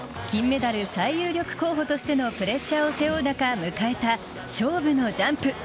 金メダル最有力候補としてのプレッシャーを抱えながら迎えた、勝負のジャンプ。